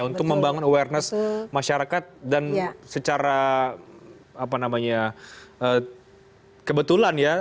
untuk membangun awareness masyarakat dan secara kebetulan ya